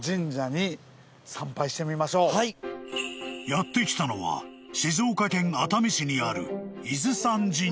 ［やって来たのは静岡県にある］